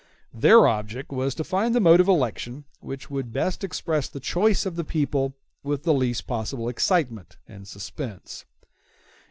Their object was to find the mode of election which would best express the choice of the people with the least possible excitement and suspense.